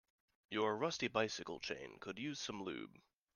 Your rusty bicycle chain could use some lube.